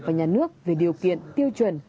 và nhà nước về điều kiện tiêu chuẩn